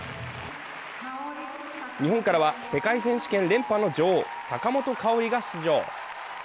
日本からは世界選手権連覇の女王・坂本花織が出場。